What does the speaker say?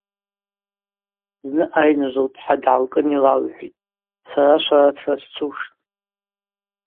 Зны айныжв лпхӏа дгӏалкӏын йлалхӏвитӏ: Сара шварацра сцуштӏ.